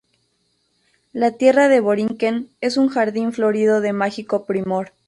La tierra de Borinquén es un jardín florido de mágico primor.